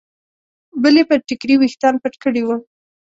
بلې پر ټیکري ویښتان پټ کړي وو.